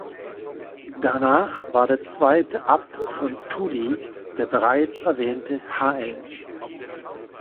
Danach war der zweite Abt von Tholey der bereits erwähnte hl.